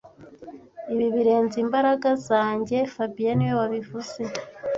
Ibi birenze imbaraga zanjye fabien niwe wabivuze